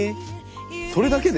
それだけで？